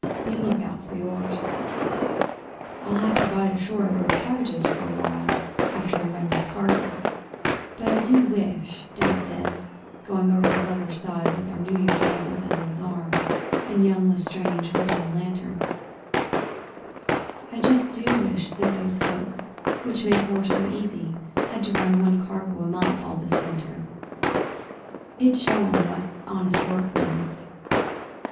You look out for yours." '"I'll have to bide ashore and grow cabbages for a while, after I've run this cargo; but I do wish" Dad says, going over the lugger's side with our New Year presents under his arm and young L'Estrange holding the lantern "I just do wish that those folk which make war so easy had to run one cargo a month all this winter. It 'ud show 'em what honest work means."